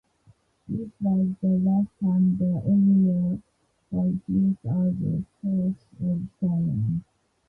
This was the last time the arena was used as a source of stone.